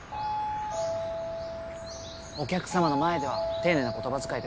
お客様の前では丁寧な言葉遣いでね。